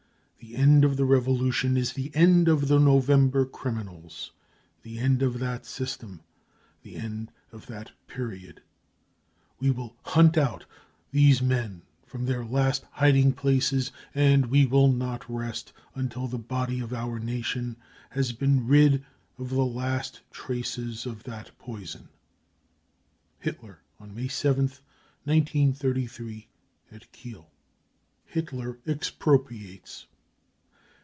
The end of the revolution is the end of the November criminals, the end of that system, the end of that period ! We will hunt out these men from their last hiding places and we will not rest until the body of our nation has been rid of the last traces of that poison." (Hitler on May 7th, 1933, at Kiel.) Hitler Expropriates